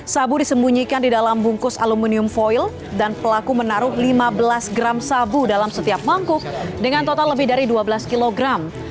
sabu disembunyikan di dalam bungkus aluminium foil dan pelaku menaruh lima belas gram sabu dalam setiap mangkuk dengan total lebih dari dua belas kilogram